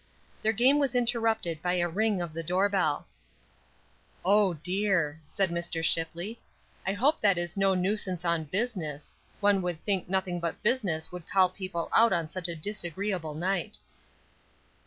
Their game was interrupted by a ring of the door bell. "Oh, dear!" said Mr. Shipley, "I hope that is no nuisance on business. One would think nothing but business would call people out on such a disagreeable night."